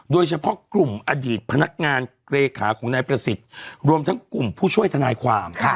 โดยเฉพาะกลุ่มอดีตพนักงานเลขาของนายประสิทธิ์รวมทั้งกลุ่มผู้ช่วยทนายความ